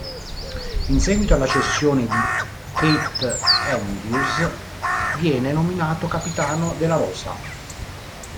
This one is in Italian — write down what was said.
In seguito alla cessione di Keith Andrews viene nominato capitano della rosa.